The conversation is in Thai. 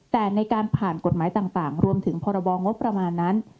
แต่ในการผ่านกฎหมายต่างรวมถึงพรบงบประมาณนั้น